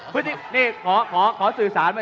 คุณจิลายุเขาบอกว่ามันควรทำงานร่วมกัน